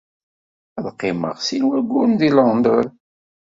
Ad qqimeɣ sin wayyuren deg Londres.